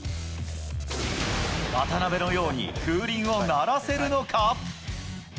渡辺のように風鈴を鳴らせるのか。